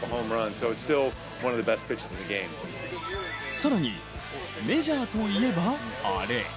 更に、メジャーといえば、あれ。